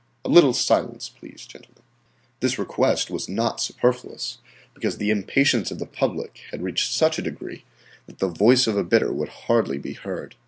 A little silence, please, gentlemen." This request was not superfluous, because the impatience of the public had reached such a degree that the voice of a bidder would hardly be heard.